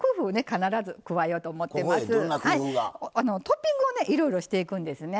トッピングをねいろいろしていくんですね。